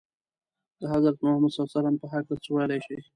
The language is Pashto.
د حضرت محمد ﷺ په هکله څه ویلای شئ؟